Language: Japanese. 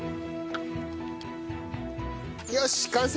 よし完成！